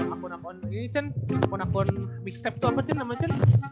akun akun ini cun akun akun micstep itu apa cun namanya cun